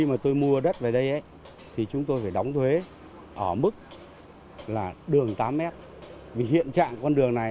chúng tôi đưa đất về đây thì chúng tôi phải đóng thuế ở mức là đường tám m vì hiện trạng con đường này